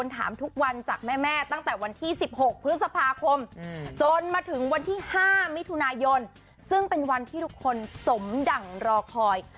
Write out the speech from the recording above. ต้นมาถึงวันที่๕มิถุนายนซึ่งเป็นวันที่ทุกคนสมดังรอคอย